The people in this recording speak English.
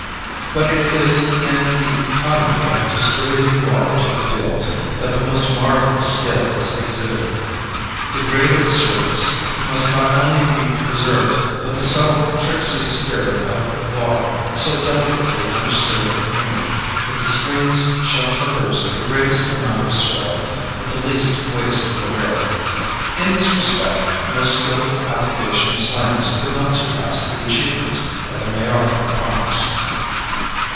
But it is in the economy of distributing water to the fields that the most marvellous skill is exhibited. The grade of the surface must not only be preserved, but the subtle, tricksy spirit of water so delicately understood and humored that the streams shall traverse the greatest amount of soil with the least waste or wear. In this respect, the most skilful application of science could not surpass the achievements of the Majorcan farmers.